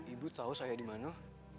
ibu tahu saya di mana